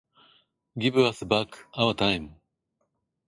Give us back our time.